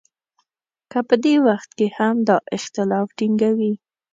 که په دې وخت کې هم دا اختلاف ټینګوي.